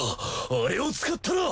あれを使ったな！